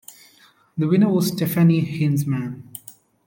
The winner was Stefanie Heinzmann.